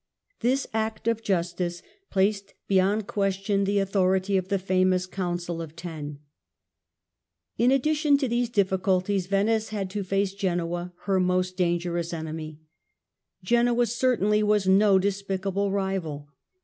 This act of justic placed beyond question the authority of the famous Council of Ten. War be ^^ addition to these difficulties Venice had to face v^ifc aiid^®^^^' ^^^ most dangerous enemy. Genoa certainly Genoa was no despicable rival.